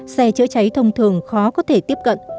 xe chữa cháy thông thường khó có thể tiếp cận